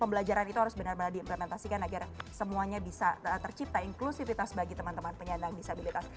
pembelajaran itu harus benar benar diimplementasikan agar semuanya bisa tercipta inklusivitas bagi teman teman penyandang disabilitas